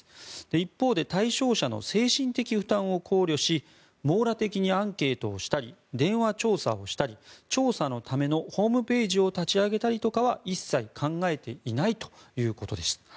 一方で対象者の精神的負担を考慮し網羅的にアンケートをしたり電話調査をしたり調査のためのホームページを立ち上げたりとかは一切考えていないということでした。